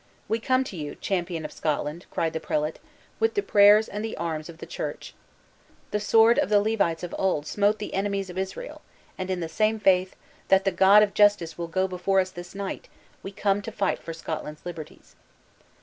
"We come to you, champion of Scotland," cried the prelate, "with the prayers and the arms of the church. The sword of the Levites of old smote the enemies of Israel; and in the same faith, that the God of Justice will go before us this night, we come to fight for Scotland's liberties."